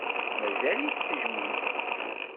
Mazal-itt tejjem-ik.